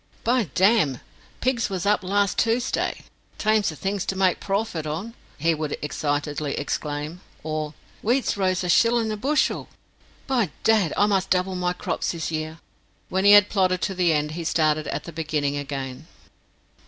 "By damn, pigs was up last Toosday! Thames the things to make prawfit on," he would excitedly exclaim; or "Wheat's rose a shillun a bushel! By dad, I must double my crops this year." When he had plodded to the end, he started at the beginning again.